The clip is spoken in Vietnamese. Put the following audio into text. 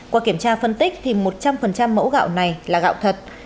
qua kiểm tra phân tích thì một trăm linh mẫu gạo này là gạo thật